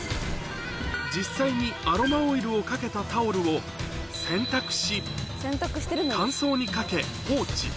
実際にアロマオイルをかけたタオルを、洗濯し、乾燥にかけ、放置。